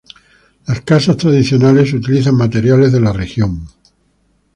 Las casas tradicionales utilizan materiales de la región.